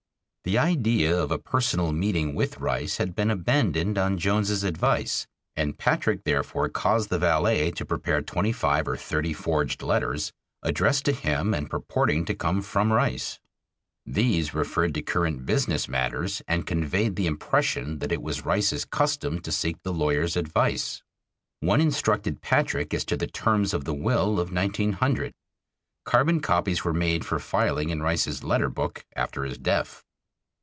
The idea of a personal meeting with Rice had been abandoned on Jones's advice, and Patrick therefore caused the valet to prepare twenty five or thirty forged letters addressed to him and purporting to come from Rice. These referred to current business matters and conveyed the impression that it was Rice's custom to seek the lawyer's advice. One instructed Patrick as to the terms of the will of 1900. Carbon copies were made for filing in Rice's letter book after his death.